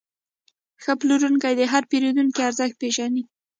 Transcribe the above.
ښه پلورونکی د هر پیرودونکي ارزښت پېژني.